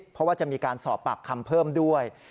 เพราะว่าจะมีการสอบปากคำเพิ่มด้วย